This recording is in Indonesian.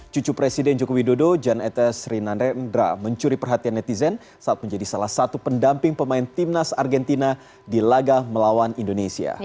cucu presiden joko widodo jan etes rinandrendra mencuri perhatian netizen saat menjadi salah satu pendamping pemain timnas argentina di laga melawan indonesia